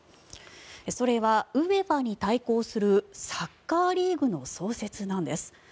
それはＵＥＦＡに対抗するサッカーリーグの創設なんです。